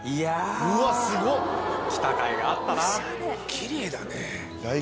「きれいだね」